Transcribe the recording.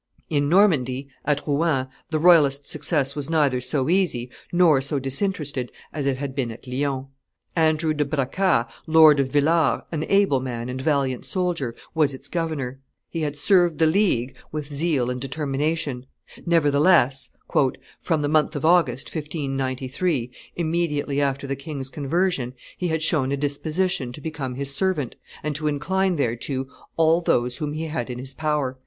In Normandy, at Rouen, the royalist success was neither so easy nor so disinterested as it had been at Lyons. Andrew de Brancas, Lord of Villars, an able man and valiant soldier, was its governor; he had served the League with zeal and determination; nevertheless, "from the month of August, 1593, immediately after the king's conversion, he had shown a disposition to become his servant, and to incline thereto all those whom he had in his power."